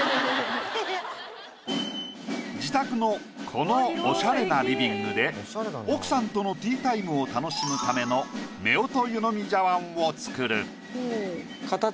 自宅のこのおしゃれなリビングで奥さんとのティータイムを楽しむための夫婦湯呑み茶碗を作る。